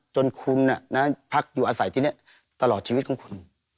จนคุณพักอยู่อาศัยที่นี่ตลอดชีวิตของคุณ